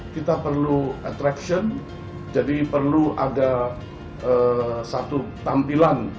kita perlu attraction jadi perlu ada satu tampilan